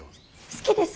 好きです。